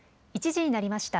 １時になりました。